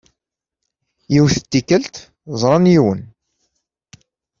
Yiwet n tikkelt, ẓrant yiwen.